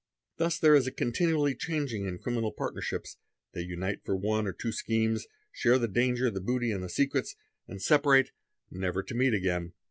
Thus ere is a continual changing in criminal partnerships ; they unite for one > two schemes, share the danger, the booty, and the secrets, and sepa te never to meet again.